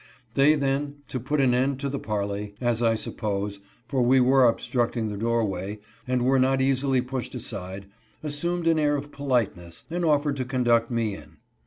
They then, to put an end to the parley, as I suppose, for we were obstructing the doorway, and were not easily pushed aside, assumed an air of politeness, and offered to con duct me in.